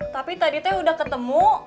tapi tadi teh udah ketemu